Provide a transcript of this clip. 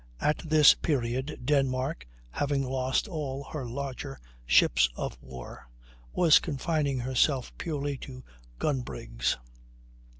At this period Denmark, having lost all her larger ships of war, was confining herself purely to gun brigs.